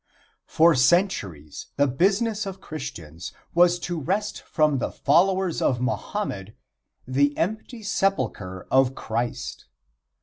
For centuries the business of Christians was to wrest from the followers of Mohammed the empty sepulcher of Christ.